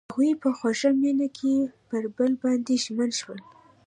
هغوی په خوږ مینه کې پر بل باندې ژمن شول.